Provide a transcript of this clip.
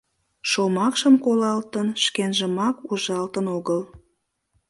Шомакшым колалтын, шкенжымак ужалтын огыл.